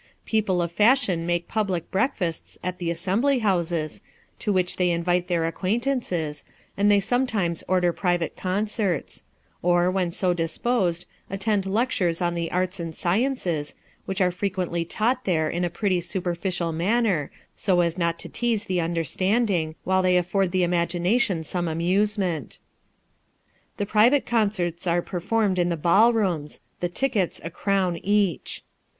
People of fashion make public breakfasts at the assembly houses, to which they invite their acquaintances, and they sometimes order private concerts ; or, when so disposed, attend lectures on the arts and sciences, which are frequently taught there in a pretty superficial manner, so as not to teaze the understanding, while they afford the imagination some amusement. The private concerts are performed in the ball rooms ; the tickets a crown each.